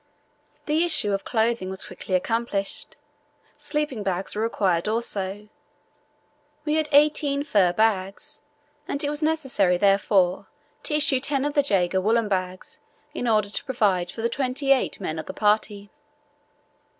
The issue of clothing was quickly accomplished. Sleeping bags were required also. We had eighteen fur bags, and it was necessary, therefore, to issue ten of the Jaeger woollen bags in order to provide for the twenty eight men of the party.